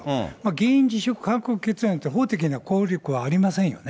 議員辞職勧告決議案って、法的な効力はありませんよね。